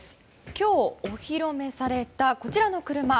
今日、お披露目されたこちらの車。